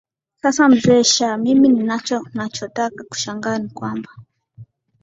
sasa mzee shah mimi ninacho nachotaka kushangaa ni kwamba